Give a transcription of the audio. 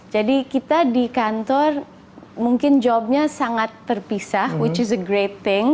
jadi kita di kantor mungkin jobnya sangat terpisah which is a great thing